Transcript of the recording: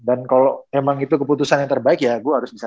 dan kalo emang itu keputusan yang terbaik ya